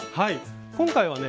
今回はね